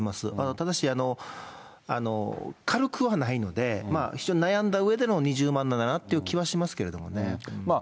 ただし、軽くはないので、非常に悩んだうえでの２０万なんだなという気はしますけどね。